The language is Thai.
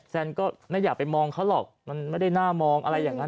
แซนก็ไม่อยากไปมองเขาหรอกมันไม่ได้น่ามองอะไรอย่างนั้น